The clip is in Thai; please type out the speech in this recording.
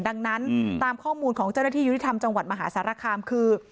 ดังนั้นตามข้อมูลของเจ้าหน้าที่ยุติธรรมจังหวัดมหาสารคามคือ